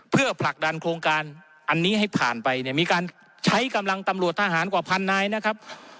เพื่อผลักดันโครงการอันนี้ให้ผ่านไปเนี่ยมีการใช้กำลังตำรวจทหารกว่าพันนายนะครับ